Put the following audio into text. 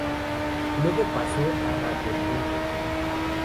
Luego pasó a Radio El Mundo.